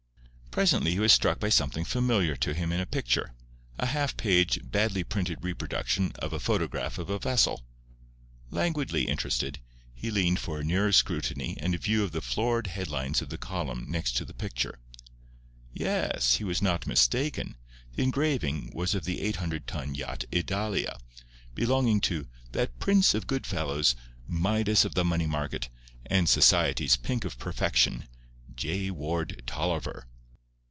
Presently he was struck by something familiar to him in a picture—a half page, badly printed reproduction of a photograph of a vessel. Languidly interested, he leaned for a nearer scrutiny and a view of the florid headlines of the column next to the picture. Yes; he was not mistaken. The engraving was of the eight hundred ton yacht Idalia, belonging to "that prince of good fellows, Midas of the money market, and society's pink of perfection, J. Ward Tolliver."